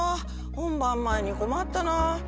本番前に困ったな。